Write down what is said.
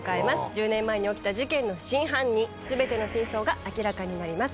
１０年前に起きた事件の真犯人全ての真相が明らかになります。